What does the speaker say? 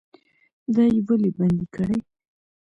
دا یې ولې بندي کړي؟